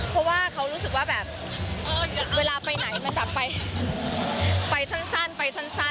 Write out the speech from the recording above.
เพราะว่าเขารู้สึกว่าแบบเวลาไปไหนมันแบบไปสั้นไปสั้นอะไรอย่างนี้ค่ะ